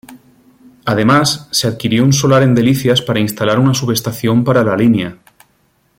Además se adquirió un solar en Delicias para instalar una subestación para la línea.